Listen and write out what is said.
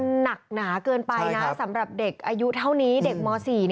มันหนักหนาเกินไปนะสำหรับเด็กอายุเท่านี้เด็กม๔